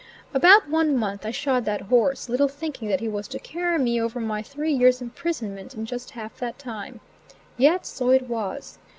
About once a month I shod that horse, little thinking that he was to carry me over my three years' imprisonment in just half that time. Yet so it was.